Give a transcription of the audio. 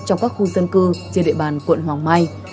trong các khu dân cư trên địa bàn quận hoàng mai